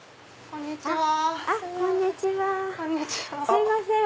こんにちは。